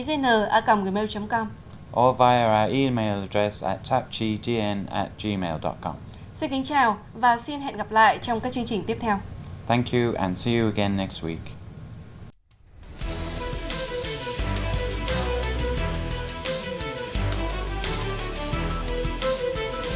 hẹn gặp lại trong các chương trình tiếp theo